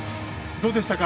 どうでしたか。